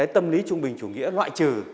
tâm lý trung bình chủ nghĩa loại trừ